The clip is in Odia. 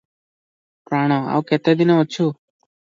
ପ୍ରାଣ! ଆଉ କେତେଦିନ ଅଛୁ?